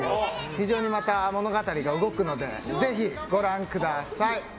非常にまた物語が動くのでぜひご覧ください。